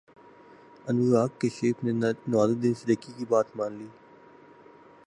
انوراگ کشیپ نے نوازالدین صدیقی کی بات مان لی